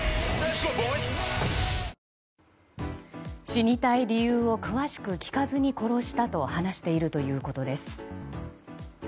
死にたい理由を詳しく聞かずに殺したと話しているということです。